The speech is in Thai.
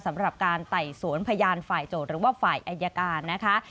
สำหรับการไต่สวนพยานฝ่ายโจทย์หรือว่าฝ่ายอายการนะคะ